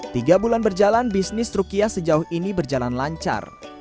tiga bulan berjalan bisnis rukiah sejauh ini berjalan lancar